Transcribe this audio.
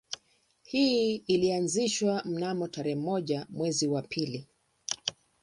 Hii ilianzishwa mnamo tarehe moja mwezi wa pili